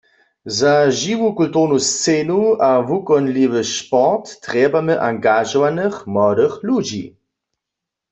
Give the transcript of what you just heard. Za žiwu kulturnu scenu a wukonliwy sport trjebamy angažowanych młodych ludźi.